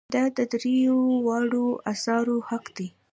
دا د دریو واړو آثارو حق دی.